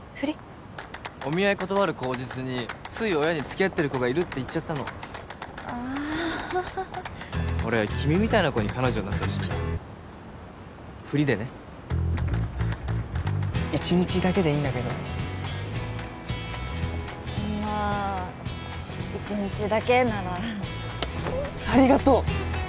お見合い断る口実につい親に付き合ってる子がいるって言っちゃったのああ俺君みたいな子に彼女になってほしいんだフリでね１日だけでいいんだけどまあ１日だけならありがとう！